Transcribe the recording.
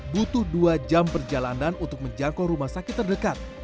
butuh dua jam perjalanan untuk menjangkau rumah sakit terdekat